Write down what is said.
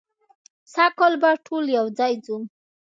سږ کال به ټول یو ځای ځو.